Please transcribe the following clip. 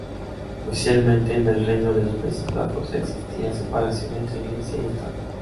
Oficialmente, en el Reino de los Países Bajos existía separación entre Iglesia y Estado.